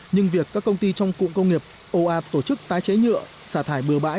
nhưng việc các công ty trong cụm công nghiệp ồ ạt tổ chức tái chế nhựa xả thải bừa bãi